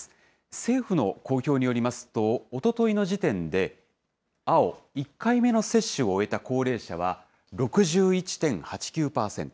政府の公表によりますと、おとといの時点で、青、１回目の接種を終えた高齢者は６１．８９％。